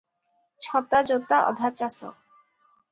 ଛତା ଯୋତା ଅଧା ଚାଷ